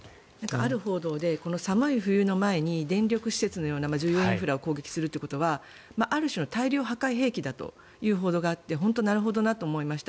ある報道で寒い冬の前に電力施設のような重要インフラを攻撃するというのはある種の大量破壊兵器だという報道があって本当になるほどなと思いました。